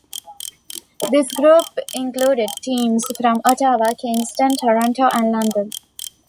This group included teams from Ottawa, Kingston, Toronto, and London.